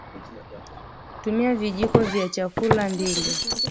Tumia vijiko vya chakula mbili